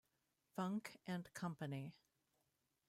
Funk and Company.